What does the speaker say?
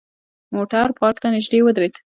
موټر پارک ته نژدې ودرید.